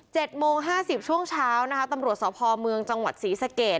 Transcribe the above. โมงห้าสิบช่วงเช้านะคะตำรวจสพเมืองจังหวัดศรีสะเกด